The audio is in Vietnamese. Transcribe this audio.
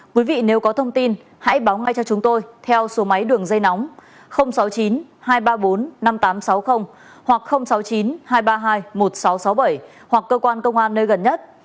quý vị nếu có thông tin hãy báo ngay cho chúng tôi theo số máy đường dây nóng sáu mươi chín hai trăm ba mươi bốn năm nghìn tám trăm sáu mươi hoặc sáu mươi chín hai trăm ba mươi hai một nghìn sáu trăm sáu mươi bảy hoặc cơ quan công an nơi gần nhất